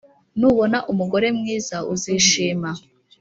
nubona umugore mwiza uzishima,